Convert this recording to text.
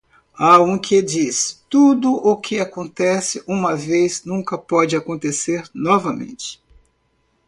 Há um que diz? 'Tudo o que acontece uma vez nunca pode acontecer novamente.